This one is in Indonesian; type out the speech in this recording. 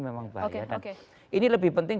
memang bahaya dan ini lebih penting